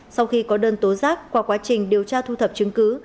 sau khi có đơn tố giác qua quá trình điều tra thu thập chứng cứ